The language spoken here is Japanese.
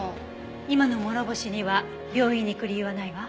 今の諸星には病院に行く理由はないわ。